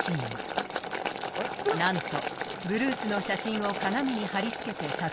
なんとブルースの写真を鏡に貼り付けて撮影をしたのだ。